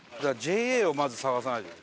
ＪＡをまず探さないと。